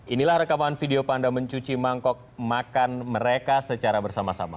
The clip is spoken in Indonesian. inilah rekaman video panda mencuci mangkok makan mereka secara bersama sama